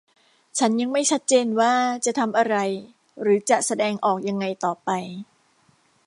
ฉันยังไม่ชัดเจนว่าจะทำอะไรหรือจะแสดงออกยังไงต่อไป